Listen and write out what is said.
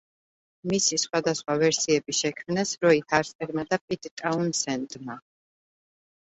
მისი სხვადასხვა ვერსიები შექმნეს როი ჰარპერმა და პიტ ტაუნსენდმა.